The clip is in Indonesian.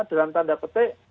dalam tanda petik